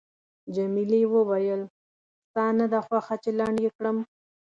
جميلې وويل:، ستا نه ده خوښه چې لنډ یې کړم؟